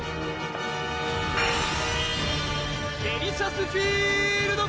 デリシャスフィールド！